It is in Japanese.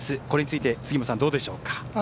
これについて杉本さんどうでしょうか？